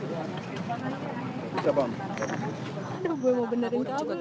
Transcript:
terima kasih pak